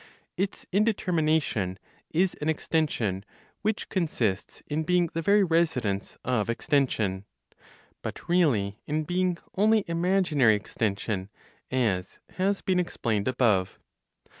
Its indetermination is an extension which consists in being the very residence of extension, but really in being only imaginary extension, as has been explained above.